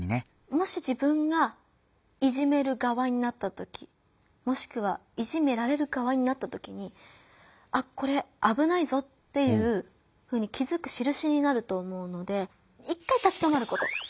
もし自分がいじめる側になった時もしくはいじめられる側になった時に「あっこれあぶないぞ」っていうふうに気づくしるしになると思うので一回立ち止まること。